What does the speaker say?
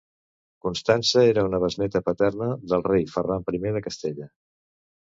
Constança era una besnéta paterna del rei Ferran I de Castella.